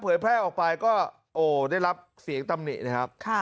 แพร่ออกไปก็โอ้ได้รับเสียงตำหนินะครับ